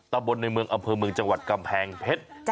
ตะบนในเมืองอำเภอเมืองจังหวัดกำแพงเพชร